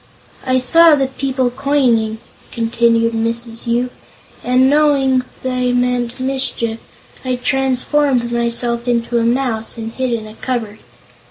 "I saw the people coming," continued Mrs. Yoop, "and knowing they meant mischief I transformed myself into a mouse and hid in a cupboard.